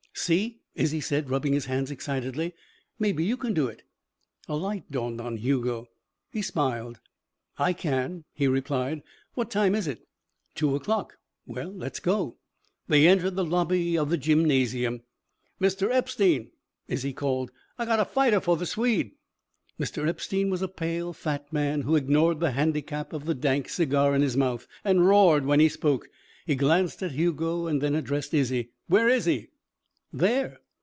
"See," Izzie said, rubbing his hands excitedly, "mebbe you could do it." A light dawned on Hugo. He smiled. "I can," he replied. "What time is it?" "Two o'clock." "Well, let's go." They entered the lobby of the "gymnasium." "Mr. Epstein," Izzie called, "I gotta fighter for the Swede." Mr. Epstein was a pale fat man who ignored the handicap of the dank cigar in his mouth and roared when he spoke. He glanced at Hugo and then addressed Izzie. "Where is he?" "There."